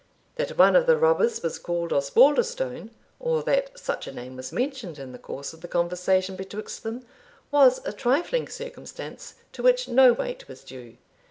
That one of the robbers was called Osbaldistone, or that such a name was mentioned in the course of the conversation betwixt them, was a trifling circumstance, to which no weight was due.